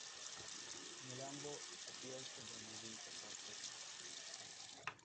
"Mulambo" appears in the movie "The Forsaken".